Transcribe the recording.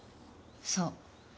そう。